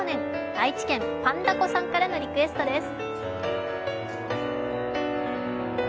愛知県ぱんだこさんからのリクエストです。